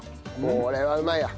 これはうまいや。